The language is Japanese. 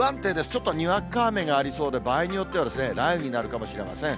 ちょっとにわか雨がありそうで、場合によっては雷雨になるかもしれません。